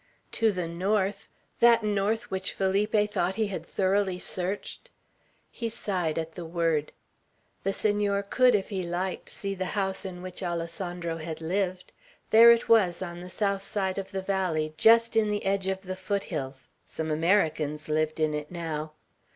To the north! That north which Felipe thought he had thoroughly searched. He sighed at the word. The Senor could, if he liked, see the house in which Alessandro had lived. There it was, on the south side of the valley, just in the edge of the foothills; some Americans lived in it now.